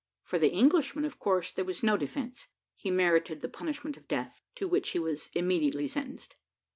For the Englishman, of course, there was no defence; he merited the punishment of death, to which he was immediately sentenced.